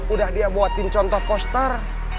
udah dia buatin contoh koster